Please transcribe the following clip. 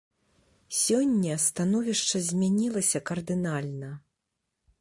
Сёння становішча змянілася кардынальна.